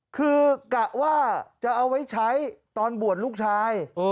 คือกะว่าจะเอาไว้ใช้ตอนบวชลูกชาย